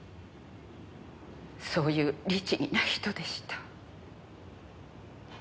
そういう律儀な人でした。